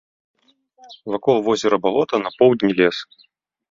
Вакол возера балота, на поўдні лес.